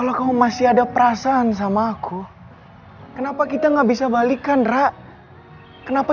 kau gak mau ada orang yang ngeliatin ga ya ampun